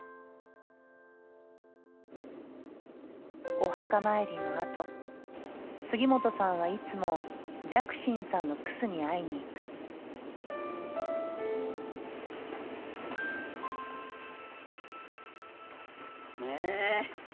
お墓参りのあと杉本さんはいつも寂心さんのクスに会いに行く。ねすごい！